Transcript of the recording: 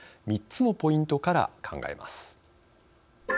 ３つのポイントから考えます。